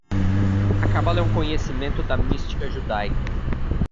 A Cabala é um conhecimento da mística judaica